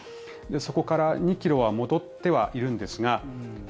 そこから２ｋｇは戻ってはいるんですが。